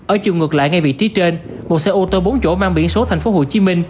ở chiều ngược lại ngay vị trí trên một xe ô tô bốn chỗ mang biển số tp hcm